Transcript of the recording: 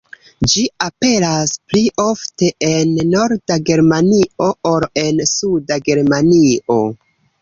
Ĝi aperas pli ofte en norda Germanio ol en suda Germanio.